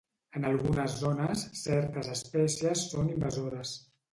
En algunes zones, certes espècies són invasores.